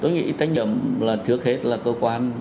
tôi nghĩ trách nhậm là trước hết là cơ quan